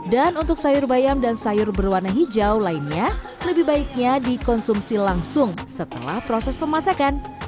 dan untuk sayur bayam dan sayur berwarna hijau lainnya lebih baiknya dikonsumsi langsung setelah proses pemasakan